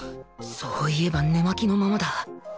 そういえば寝間着のままだ